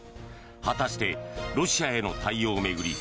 果たして、ロシアへの対応を巡り